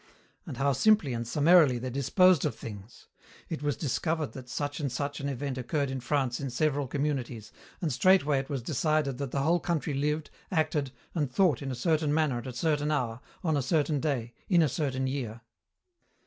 And how simply and summarily they disposed of things! It was discovered that such and such an event occurred in France in several communities, and straightway it was decided that the whole country lived, acted, and thought in a certain manner at a certain hour, on a certain day, in a certain year.